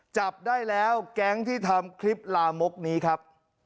จับได้แล้วแก๊งที่ทำคลิปลามกนี้ครับ